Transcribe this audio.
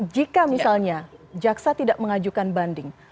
jika misalnya jaksa tidak mengajukan banding